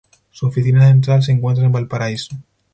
Su oficina central se encuentra en Valparaíso.